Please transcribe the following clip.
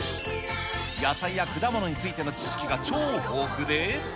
野菜や果物についての知識が超豊富で。